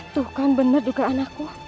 tuh kan benar juga anakku